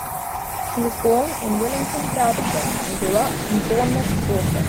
He was born in Willington, Derbyshire, and grew up in Bournemouth, Dorset.